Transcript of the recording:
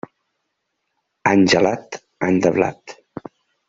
Any gelat, any de blat.